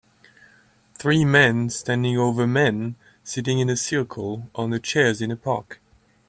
Three men standing over men sitting in a circle on chairs in a park